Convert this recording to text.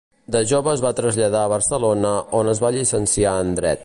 De jove es va traslladar a Barcelona on es va llicenciar en Dret.